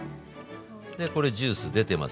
でこれジュース出てますよね